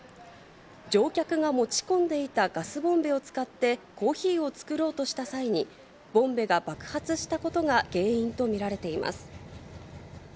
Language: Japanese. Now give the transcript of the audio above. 乗客が持ち込んでいたガスボンベを使ってコーヒーを作ろうとした際に、ボンベが爆発したことが原因と見られています。